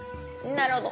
なるほど。